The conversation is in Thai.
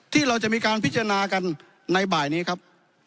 ที่เราจะมีการพิจารณากันในบ่ายนี้ครับ